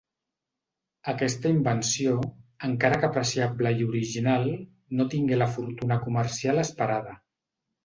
Aquesta invenció, encara que apreciable i original, no tingué la fortuna comercial esperada.